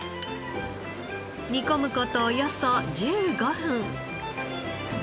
煮込む事およそ１５分。